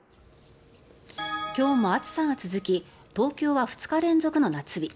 今日も暑さが続き東京は２日連続の夏日